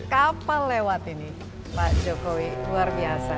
kapal lewat ini pak jokowi luar biasa